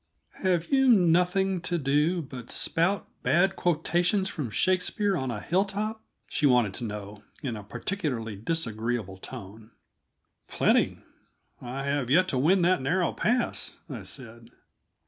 "Have you nothing to do but spout bad quotations from Shakespeare on a hilltop?" she wanted to know, in a particularly disagreeable tone. "Plenty; I have yet to win that narrow pass," I said.